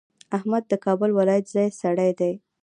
احمد د کابل ولایت ځای سړی دی.